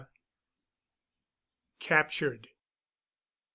CAPTURED!